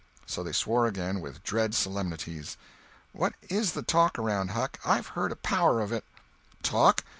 So they swore again with dread solemnities. "What is the talk around, Huck? I've heard a power of it." "Talk?